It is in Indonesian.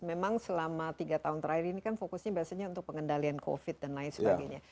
memang selama tiga tahun terakhir ini kan fokusnya biasanya untuk pengendalian covid dan lain sebagainya